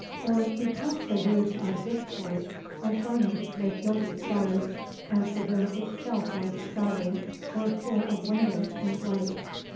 Or, because the roof of this Court was garnished with gilded stars, as the room itself was starry, or full of windows and lights.